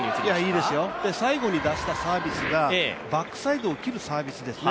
いいですよ、最後に出したサービスがバックサイドを切るサービスですね。